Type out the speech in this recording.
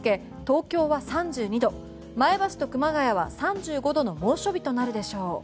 東京は３２度前橋と熊谷は３５度の猛暑日となるでしょう。